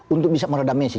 untuk bisa meredam messi